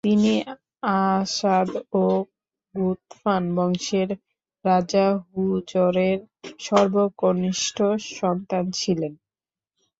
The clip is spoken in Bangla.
তিনি আসাদ ও ঘুতফান বংশের রাজা হূযরের সর্বকনিষ্ঠ সন্তান ছিলেন।